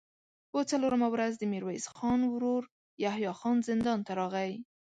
په څلورمه ورځ د ميرويس خان ورو يحيی خان زندان ته راغی.